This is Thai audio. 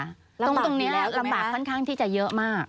ตรงนี้ลำบากค่อนข้างที่จะเยอะมาก